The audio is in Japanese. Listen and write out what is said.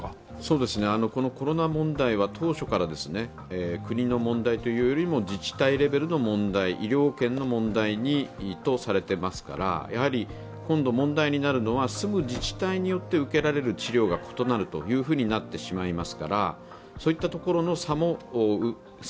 このコロナ問題は当初から国の問題というよりも自治体レベルの問題、医療圏の問題とされていますからやはり今度問題になるのは住む自治体によって受けられる医療が異なるというふうになってしまいます。